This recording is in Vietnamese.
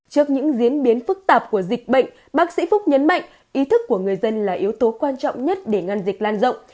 trước những diễn biến phức tạp của dịch bệnh bác sĩ phúc nhấn mạnh ý thức của người dân là yếu tố quan trọng nhất để ngăn dịch lan rộng